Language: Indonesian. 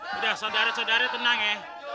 sudah saudara saudara tenang ya